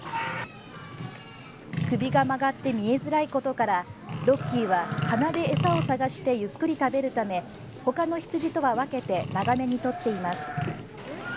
首が曲がって見えづらいことからロッキーは鼻で餌を探してゆっくり食べるため他の羊とは分けて長めにとっています。